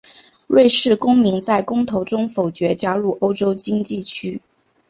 瑞士公民在公投中否决加入欧洲经济区。